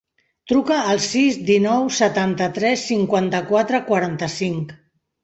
Truca al sis, dinou, setanta-tres, cinquanta-quatre, quaranta-cinc.